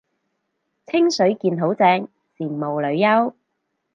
清水健好正，羨慕女優